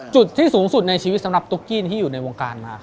จุดที่สูงสุดในชีวิตสำหรับตุ๊กกี้ที่อยู่ในวงการมา